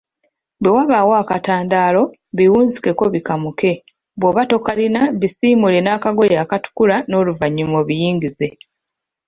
Bwe wabaawo akatandaalo, biwunzikeko bikamuke bwoba tokalina bisiimuule nakagoye akatukula noluvanyuma obiyingize